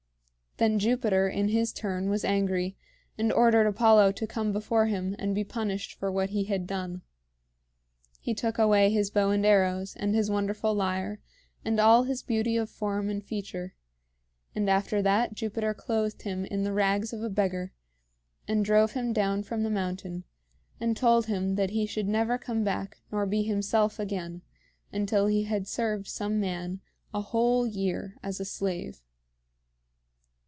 Then Jupiter, in his turn, was angry, and ordered Apollo to come before him and be punished for what he had done. He took away his bow and arrows and his wonderful lyre and all his beauty of form and feature; and after that Jupiter clothed him in the rags of a beggar and drove him down from the mountain, and told him that he should never come back nor be himself again until he had served some man a whole year as a slave.